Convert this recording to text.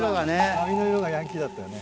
髪の色がヤンキーだったよね。